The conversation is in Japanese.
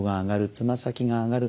つま先が上がる。